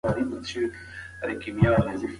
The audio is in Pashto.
هغه په بن کې د خپلې غربت ځپلې مېنې کیسه کوي.